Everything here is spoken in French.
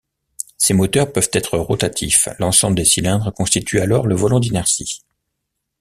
Ces moteurs peuvent être rotatifs, l'ensemble des cylindres constituent alors le volant d'inertie.